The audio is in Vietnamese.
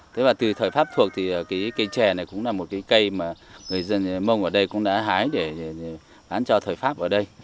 thế mà từ thời pháp thuộc thì cây trẻ này cũng là một cây mà người dân mông ở đây cũng đã hái để bán cho thời pháp